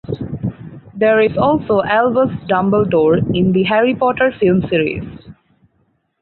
There is also Albus Dumbledore in the "Harry Potter" film series.